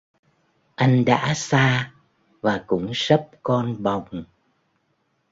Anh đã xa và cũng sắp con bồng